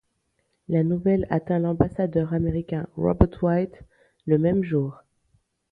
La nouvelle atteint l'ambassadeur américain Robert White, le même jour.